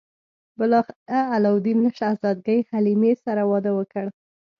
بالاخره علاوالدین له شهزادګۍ حلیمې سره واده وکړ.